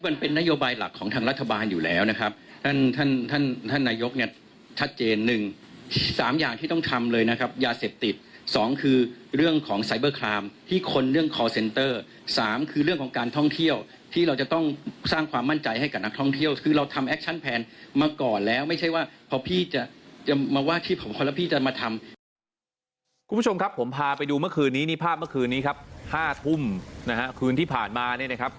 จะมาว่าที่ของคนรับที่จะมาทำ